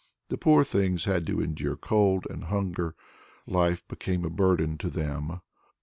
The poor things had to endure cold and hunger. Life became a burden to them.